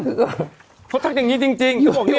เขาทักอย่างนี้จริง